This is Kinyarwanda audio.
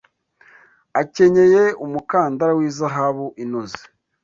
akenyeye umukandara w’izahabu inoze